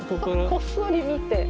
こっそり見て。